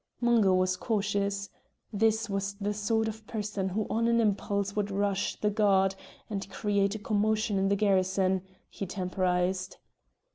Mungo was cautious. This was the sort of person who on an impulse would rush the guard and create a commotion in the garrison; he temporised.